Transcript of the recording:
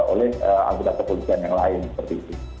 oleh anggota kepolisian yang lain seperti itu